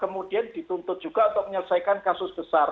kemudian dituntut juga untuk menyelesaikan kasus besar